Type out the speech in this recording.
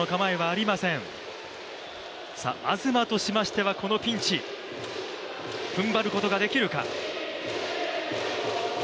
東としましてはこのピンチ、ふんばることができるか。